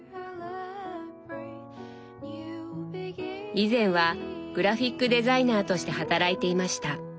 以前はグラフィックデザイナーとして働いていました。